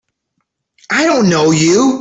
I don't know you!